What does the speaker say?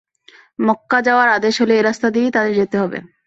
মক্কা যাওয়ার আদেশ হলে এ রাস্তা দিয়েই তাদের যেতে হবে।